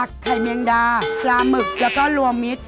ไข่เมียงดาปลาหมึกแล้วก็รวมมิตร